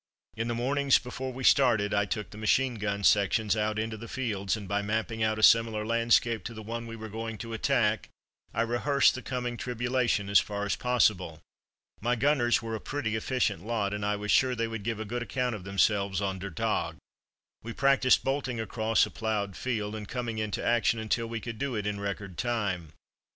In the mornings, before we started, I took the machine gun sections out into the fields, and by mapping out a similar landscape to the one we were going to attack, I rehearsed the coming tribulation as far as possible. My gunners were a pretty efficient lot, and I was sure they would give a good account of themselves on "der Tag." We practised bolting across a ploughed field, and coming into action, until we could do it in record time.